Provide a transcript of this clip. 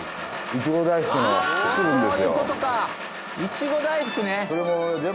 いちご大福ね！